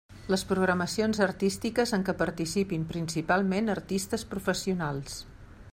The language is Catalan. Les programacions artístiques en què participin principalment artistes professionals.